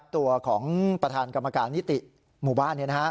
ตัวของประธานกรรมการนิติหมู่บ้าน